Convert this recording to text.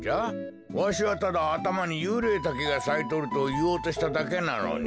わしはただあたまにユウレイタケがさいとるといおうとしただけなのに。